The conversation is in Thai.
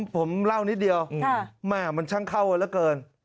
ผมเล่านิดเดียวมันช่างเข้าอันละเกิน